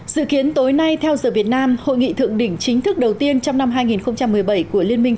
dự kiến tối nay theo giờ việt nam hội nghị thượng đỉnh chính thức đầu tiên trong năm hai nghìn một mươi bảy của liên minh